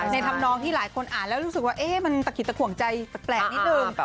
ธรรมนองที่หลายคนอ่านแล้วรู้สึกว่ามันตะขิดตะขวงใจแปลกนิดนึง